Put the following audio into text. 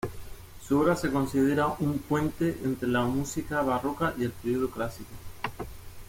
Su obra se consideran un "puente" entre la música barroca y el periodo clásico.